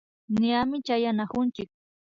Ñami chayanakunchik